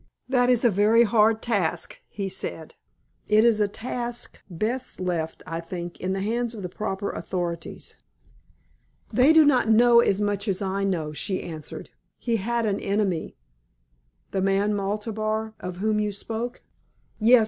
"That is a very hard task," he said. "It is a task best left, I think, in the hands of the proper authorities." "They do not know as much as I know," she answered. "He had an enemy." "The man Maltabar, of whom you spoke?" "Yes.